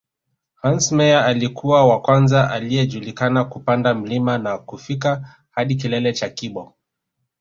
Hans Meyer alikuwa wa kwanza anayejulikana kupanda mlima na kufika hadi kilele cha Kibo